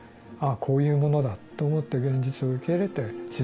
ああこういうものだと思って現実を受け入れて静かに死んでいく。